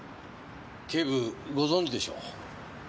警部ご存じでしょう。